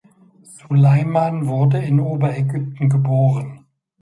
Suleiman wurde in Oberägypten geboren.